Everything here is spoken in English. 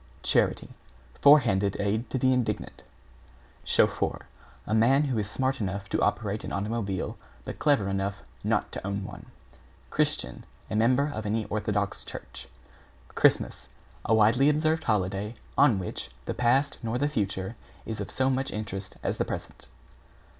=CHARITY= Forehanded aid to the indigent. =CHAUFFEUR= A man who is smart enough to operate an automobile, but clever enough not to own one. =CHRISTIAN= A member of any orthodox church. =CHRISTMAS= A widely observed holiday on which the past nor the future is of so much interest as the present.